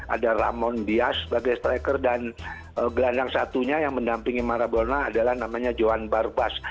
ada ramon dias sebagai striker dan gelandang satunya yang mendampingi marabolna adalah namanya johan barbas